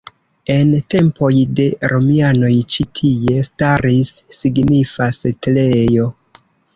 En tempoj de romianoj ĉi tie staris signifa setlejo.